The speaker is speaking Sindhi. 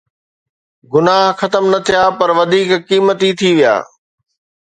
گناهه ختم نه ٿيا پر وڌيڪ قيمتي ٿي ويا.